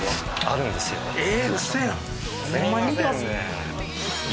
あるんですよえ